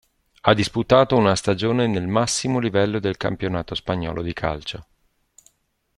Ha disputato una stagione nel massimo livello del campionato spagnolo di calcio.